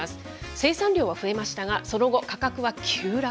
生産量は増えましたが、その後、価格は急落。